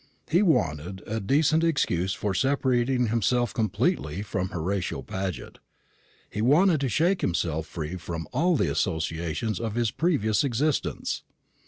He wanted a decent excuse for separating himself most completely from Horatio Paget. He wanted to shake himself free from all the associations of his previous existence.